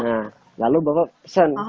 nah lalu bapak pesan